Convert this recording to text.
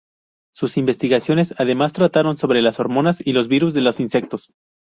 Sus investigaciones, además, trataron sobre las hormonas y los virus de los insectos.